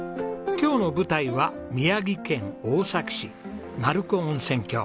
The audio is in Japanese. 今日の舞台は宮城県大崎市鳴子温泉郷。